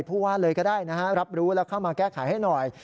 ผู้ว่าเลยก็ได้นะฮะรับรู้แล้วเข้ามาแก้ไขให้หน่อย